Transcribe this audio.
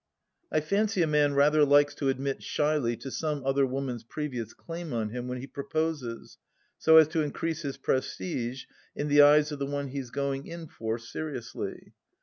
I fancy a man rather likes to admit shyly to some other woman's previous claim on him when he proposes, so as to increase his prestige in the eyes of the one he is going in for seriously.